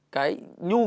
cái nhu cầu